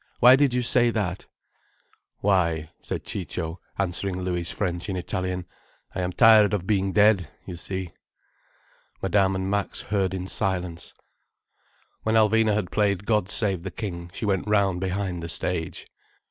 Why did you say that?" "Why," said Ciccio, answering Louis' French in Italian, "I am tired of being dead, you see." Madame and Max heard in silence. When Alvina had played God Save the King she went round behind the stage.